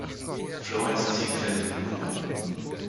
Florenz Ziegfeld Jr.